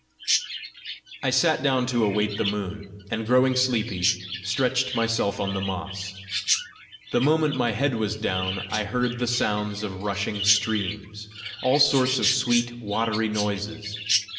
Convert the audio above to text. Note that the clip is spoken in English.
I sat down to await the moon, and growing sleepy, stretched myself on the moss. The moment my head was down, I heard the sounds of rushing streams all sorts of sweet watery noises.